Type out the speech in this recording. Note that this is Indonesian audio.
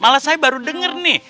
malah saya baru dengar nih